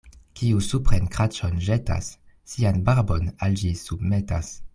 Kiu supren kraĉon ĵetas, sian barbon al ĝi submetas.